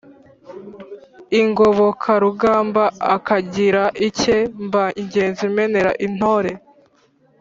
Ingobokarugamba akagira iye, mba ingenzi menera intore,